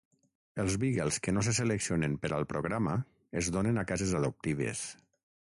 Els beagles que no se seleccionen per al programa es donen a cases adoptives.